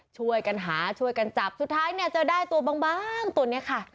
ช่วยกันหาช่วยกันจับสุดท้ายเนี่ยเจอได้ตัวบางตัวนี้ค่ะ